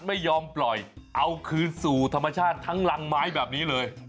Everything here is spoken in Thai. ไม่ยอมปล่อยเอาคืนสู่ธรรมชาติทั้งรังไม้แบบนี้เลย